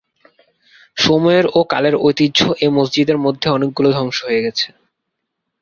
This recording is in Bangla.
সময়ের ও কালের ঐতিহ্য এ মসজিদের মধ্যে অনেকগুলো ধ্বংস হয়ে গেছে।